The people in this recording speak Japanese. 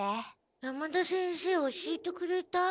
山田先生教えてくれた？